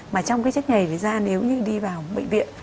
mà trong cái chất nhầy ở đấy ra nếu như đi vào bệnh viện